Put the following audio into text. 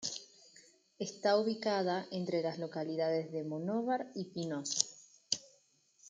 Está ubicada entre las localidades de Monóvar y Pinoso.